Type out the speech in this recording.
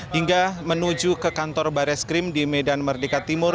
hingga menuju ke kantor bareskrim di medan merdeka timur